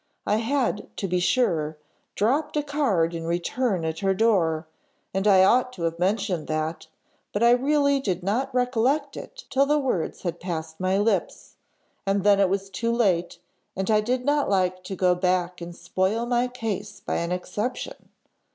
I had, to be sure, dropped a card in return at her door, and I ought to have mentioned that, but I really did not recollect it till the words had passed my lips, and then it was too late, and I did not like to go back and spoil my case by an exception.